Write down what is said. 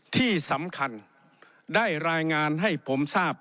ที่สำคัญได้รายงานให้ผมทราบ